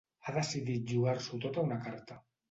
Ha decidit jugar-s'ho tot a una carta.